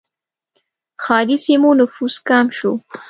ښاري سیمو نفوس کم شو.